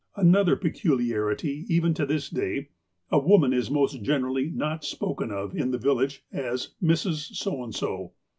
Another peculiarity even to this day : A woman is most generally not sj)oken of in the village as " Mrs. So and So."